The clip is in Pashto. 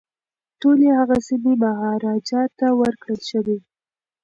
ټولي هغه سیمي مهاراجا ته ورکړل شوې.